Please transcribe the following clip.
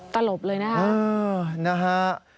ตลบเลยนะครับ